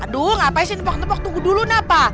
aduh ngapain sih tepok tepok tunggu dulu napa